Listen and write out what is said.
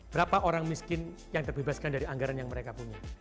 berapa orang miskin yang terbebaskan dari anggaran yang mereka punya